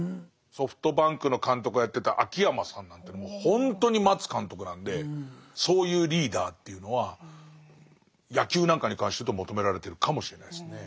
ソフトバンクの監督をやってた秋山さんなんていうのもほんとに待つ監督なんでそういうリーダーっていうのは野球なんかに関して言うと求められてるかもしれないですね。